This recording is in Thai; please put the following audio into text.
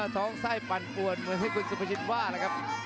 ท้องไส้ปั่นป่วนเหมือนที่คุณสุภาชินว่าแหละครับ